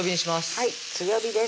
はい強火です